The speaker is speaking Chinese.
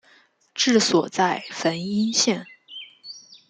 治所在汾阴县。